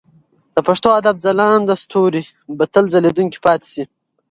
د پښتو ادب ځلانده ستوري به تل ځلېدونکي پاتې شي.